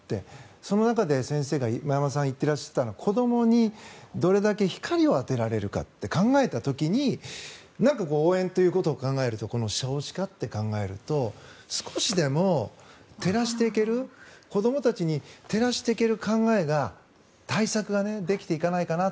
その中で山田さんが言ってらっしゃったのは子どもにどれだけ光を当てられるかって考えた時になんか応援ということを考えるとこの少子化って考えると少しでも照らしていける子どもたちに照らしていける考えが、対策ができていかないかなって。